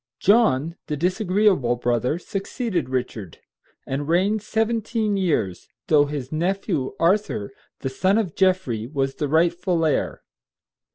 John, the disagreeable brother, succeeded Richard, and reigned seventeen years, though his nephew, Arthur, the son of Geoffrey, was the rightful heir.